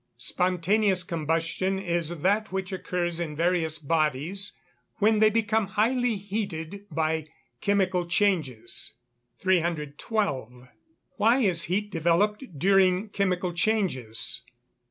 _ Spontaneous combustion is that which occurs in various bodies when they become highly heated by chemical changes. 312. _Why is heat developed during chemical changes?